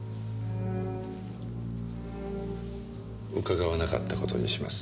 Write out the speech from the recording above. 伺わなかった事にします。